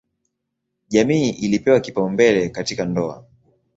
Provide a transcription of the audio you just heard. Jamii ilipewa kipaumbele katika ndoa.